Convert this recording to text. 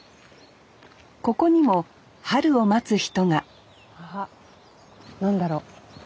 ここにも春を待つ人があっ何だろ。